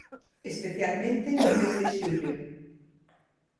Especialmente no mes de xullo.